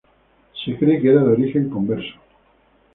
Se cree que era de origen converso.